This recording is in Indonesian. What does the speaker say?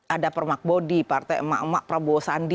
ada permakbodi partai emak emak prabowo sandi